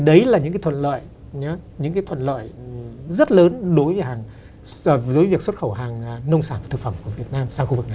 đấy là những cái thuận lợi rất lớn đối với việc xuất khẩu hàng nông sản và thực phẩm của việt nam